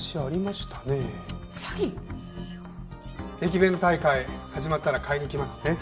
詐欺？駅弁大会始まったら買いに来ますね。